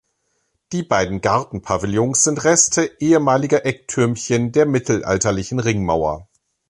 Die beiden Gartenpavillons sind Reste ehemaliger Ecktürmchen der mittelalterlichen Ringmauer.